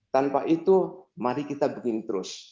tanpa itu mari kita begini terus